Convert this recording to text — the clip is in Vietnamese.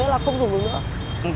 hoặc là không dùng được nữa